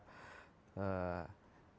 tetapi kita masih berkutik